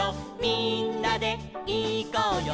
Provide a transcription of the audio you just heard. みんなでいこうよ」